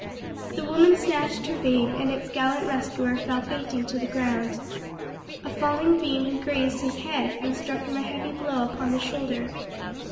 The woman snatched her babe, and its gallant rescuer fell fainting to the ground. A falling beam had grazed his head and struck him a heavy blow upon the shoulder.